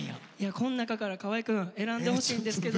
こん中から河合くん選んでほしいんですけど。